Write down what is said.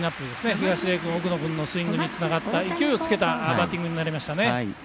東出君、奥野君のスイングにつながった、勢いをつけたバッティングになりました。